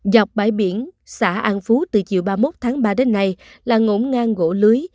dọc bãi biển xã an phú từ chiều ba mươi một tháng ba đến nay là ngỗng ngang gỗ lưới